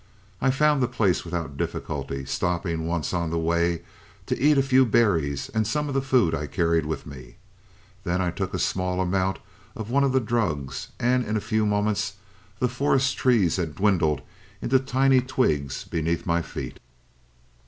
"I found the place without difficulty, stopping once on the way to eat a few berries, and some of the food I carried with me. Then I took a small amount of one of the drugs, and in a few moments the forest trees had dwindled into tiny twigs beneath my feet.